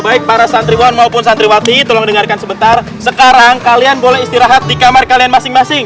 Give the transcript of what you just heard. baik para santriwan maupun santriwati tolong dengarkan sebentar sekarang kalian boleh istirahat di kamar kalian masing masing